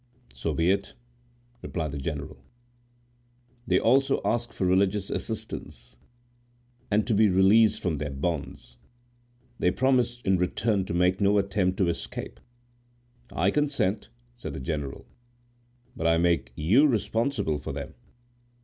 "So be it," replied the general. "They also ask for religious assistance, and to be released from their bonds; they promise in return to make no attempt to escape." "I consent," said the general; "but I make you responsible for them."